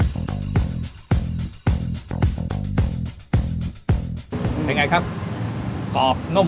เป็นไงครับ